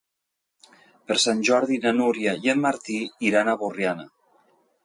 Per Sant Jordi na Núria i en Martí iran a Borriana.